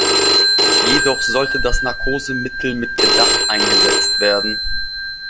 Jedoch sollte das Narkosemittel mit Bedacht eingesetzt werden.